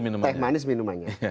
makanannya teh manis minumannya